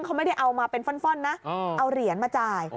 เขาไม่ได้เอามาเป็นฟ่อนนะเอาเหรียญมาจ่าย